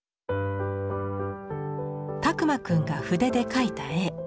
拓万くんが筆で描いた絵。